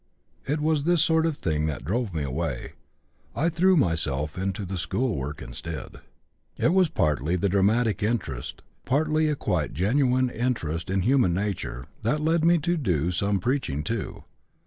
It was this sort of thing that drove me away. I threw myself into the school work instead. "It was partly the dramatic interest, partly a quite genuine interest in human nature, that led me to do some preaching too.